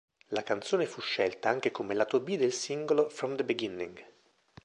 La canzone fu scelta anche come lato B del singolo "From the Beginning".